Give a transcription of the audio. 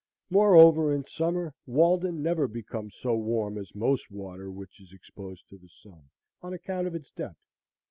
Moreover, in summer, Walden never becomes so warm as most water which is exposed to the sun, on account of its depth.